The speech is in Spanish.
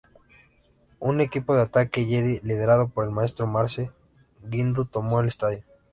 Un equipo de ataque jedi liderado por el maestro Mace Windu tomó el estadio.